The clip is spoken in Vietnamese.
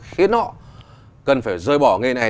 khiến họ cần phải rơi bỏ nghề này